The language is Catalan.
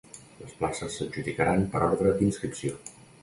Les places s’adjudicaran per ordre d’inscripció.